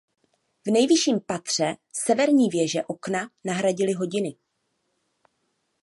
V nejvyšším patře severní věže okna nahradily hodiny.